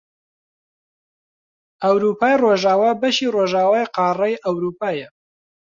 ئەوروپای ڕۆژئاوا بەشی ڕۆژئاوای قاڕەی ئەوروپایە